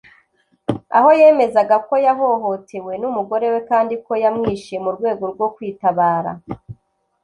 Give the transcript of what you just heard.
aho yemezaga ko yahohotewe n’umugore we kandi ko yamwishe mu rwego rwo kwitabara